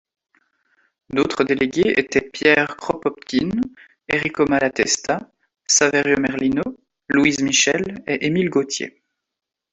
D'autres délégués étaient Pierre Kropotkine, Errico Malatesta, Saverio Merlino, Louise Michel et Émile Gautier.